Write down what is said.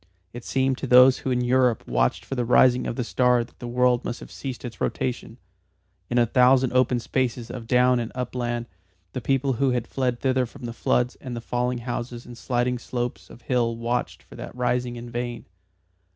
It seemed to those who in Europe watched for the rising of the star that the world must have ceased its rotation. In a thousand open spaces of down and upland the people who had fled thither from the floods and the falling houses and sliding slopes of hill watched for that rising in vain.